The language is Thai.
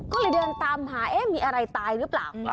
ก็เลยเดินตามหามีอะไรตายหรือเปล่า